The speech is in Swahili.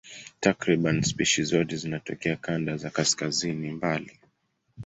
Takriban spishi zote zinatokea kanda za kaskazini mbali.